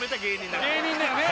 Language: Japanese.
芸人だよね。